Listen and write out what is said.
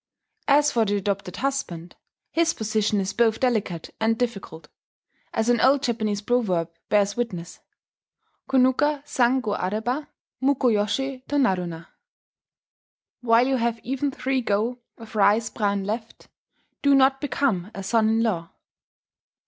As for the adopted husband, his position is both delicate and difficult, as an old Japanese proverb bears witness: Konuka san go areba, mukoyoshi to naruna ("While you have even three go* of rice bran left, do not become a son in law").